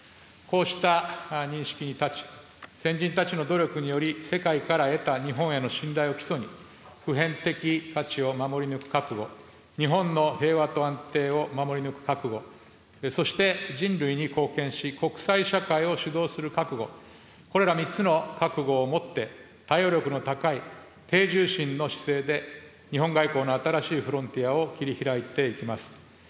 こうした認識に立ち、先人たちの努力により世界から得た日本への信頼を基礎に、普遍的価値を守り抜く覚悟、日本の平和と安定を守り抜く覚悟、そして、人類に貢献し、国際社会を主導する覚悟、これら３つの覚悟を持って、対応力の高い低重心の姿勢で、日本外交の新しいフロンティアを切りひらいていきます。